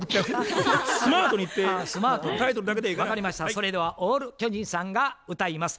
それではオール巨人さんが歌います。